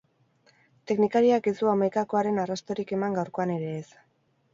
Teknikariak ez du hamaikakoaren arrastorik eman gaurkoan ere ez.